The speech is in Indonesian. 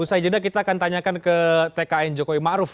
usai jeda kita akan tanyakan ke tkn jokowi ma'ruf